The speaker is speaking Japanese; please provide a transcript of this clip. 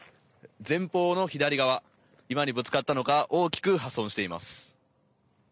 前方の左側、岩にぶつかったのか大きく破損しています。